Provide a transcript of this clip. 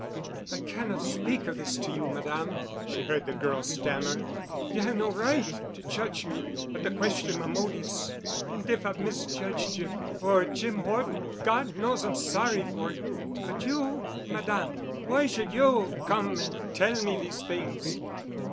"I cannot speak of this to you, Madame," she heard the girl stammer. "You have no right to judge me or to question my motives. And if I've misjudged you—or Jim Horton, God knows I'm sorry for it. But you—Madame—why should you come and tell me these things?"